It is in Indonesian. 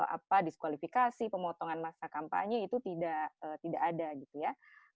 apa diskualifikasi pemotongan masa kampanye itu tidak ada gitu ya